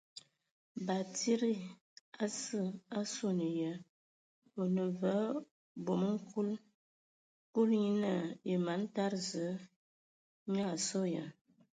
Batsidi ase a suan ya, a o nə vǝ o bomoŋ nkul. Kulu nye naa: Yǝ man tada Zǝə nyaa a sɔ ya ?.